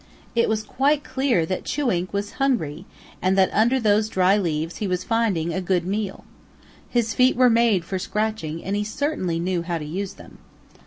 It was quite clear that Chewink was hungry and that under those dry leaves he was finding a good meal. His feet were made for scratching and he certainly knew how to use them.